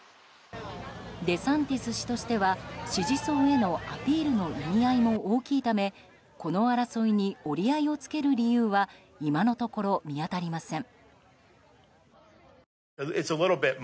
デサンティス氏としては支持層へのアピールの意味合いも大きいためこの争いに折り合いをつける理由は今のところ見当たりません。